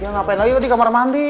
ya ngapain lagi di kamar mandi